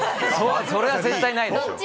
それは絶対ないです。